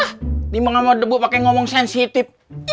ini mau ngomong debu pake ngomong sensitif